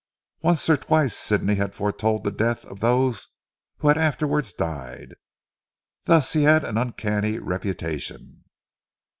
Once or twice Sidney had foretold the death of those who had afterwards died. Thus he had an uncanny reputation.